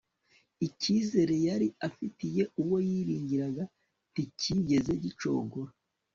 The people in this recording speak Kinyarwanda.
icyizere yari afitiye uwo yiringiraga nticyigeze gicogora